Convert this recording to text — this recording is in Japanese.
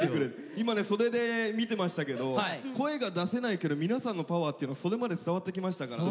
今ね袖で見てましたけど声が出せないけど皆さんのパワーっていうの袖まで伝わってきましたから。